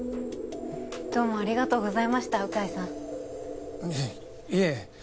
どうもありがとうございました鵜飼さんいえ